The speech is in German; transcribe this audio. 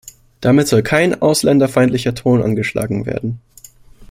Damit soll kein ausländerfeindlicher Ton angeschlagen werden.